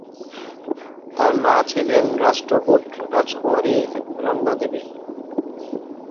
তার মা ছিলেন রাষ্ট্রকূট রাজকুমারী রণ্ণাদেবী।